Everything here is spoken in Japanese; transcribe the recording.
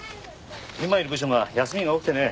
今いる部署が休みが多くてね。